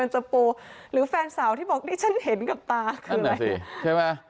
ใช่ไหม